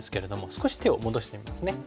少し手を戻してみますね。